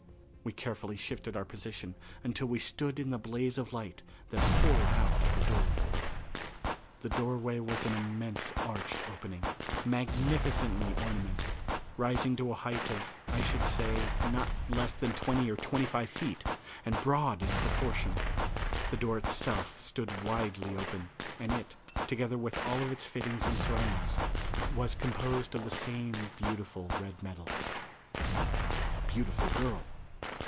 We carefully shifted our position until we stood in the blaze of light that poured out of the door. The doorway was an immense arched opening, magnificently ornamented, rising to a height of, I should say, not less than twenty or twenty five feet and broad in proportion. The door itself stood widely open and it, together with all of its fittings and surroundings, was composed of the same beautiful red metal. A Beautiful Girl!